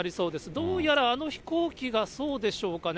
どうやらあの飛行機がそうでしょうかね。